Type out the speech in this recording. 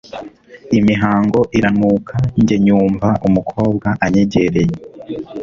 Imihango iranuka njye nyumva umukobwa anyegereye